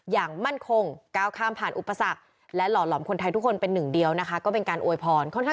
๑๒ล้านกว่าชีวิต